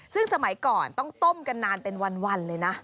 ซึ่งสมัยก่อนต้องต้มกันนานเป็นวันเลยนะ